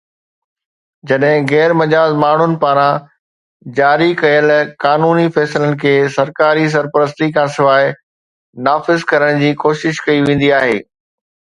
جڏهن غير مجاز ماڻهن پاران جاري ڪيل قانوني فيصلن کي سرڪاري سرپرستي کانسواءِ نافذ ڪرڻ جي ڪوشش ڪئي ويندي آهي